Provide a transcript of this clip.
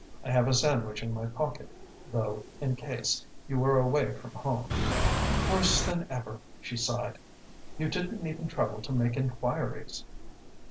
"I have a sandwich in my pocket, though, in case you were away from home." "Worse than ever," she sighed. "You didn't even trouble to make enquiries."